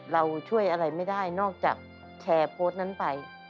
เราช่วยอะไรไม่ได้นอกจากแชร์โพสต์นั้นไป